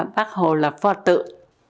bác hồ là pho tượng